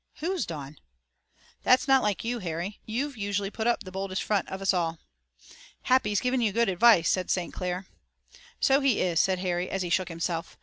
"Whose dawn?" "That's not like you, Harry. You've usually put up the boldest front of us all." "Happy's giving you good advice," said St. Clair. "So he is," said Harry, as he shook himself.